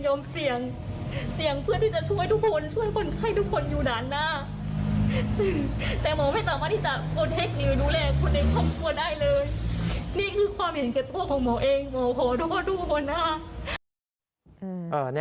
ยอมเสี่ยงเพื่อที่จะช่วยช่วยคนไข้ทุกคนอยู่ด้านหน้า